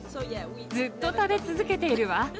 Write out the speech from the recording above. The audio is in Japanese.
ずっと食べ続けているわ。